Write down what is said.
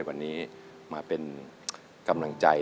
วันนี้มาเป็นกำลังใจ